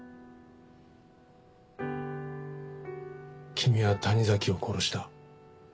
君は谷崎を殺した。